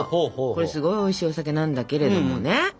これすごいおいしいお酒なんだけれどもね。